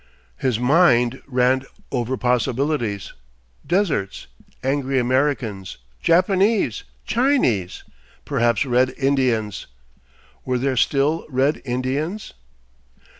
His mind ran over possibilities, deserts, angry Americans, Japanese, Chinese perhaps Red Indians! (Were there still Red Indians?)